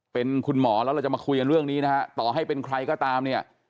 เป็นคุณหมอแล้วเราจะมาคุยกันเรื่องนี้นะฮะต่อให้เป็นใครก็ตามเนี่ย